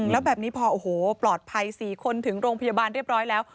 แล้วแบบนี้พอโอ้โหปลอดภัย๔คนถึงโรงพยาบาลเรียบร้อยแล้ว